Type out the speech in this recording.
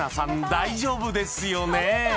大丈夫ですよね？